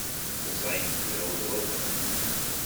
Ẓẓay fell-awen wawal.